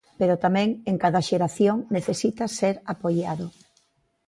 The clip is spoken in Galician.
Pero tamén en cada xeración necesita ser apoiado.